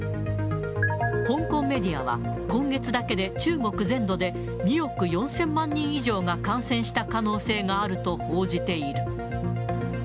香港メディアは、今月だけで中国全土で２億４０００万人以上が感染した可能性があると報じている。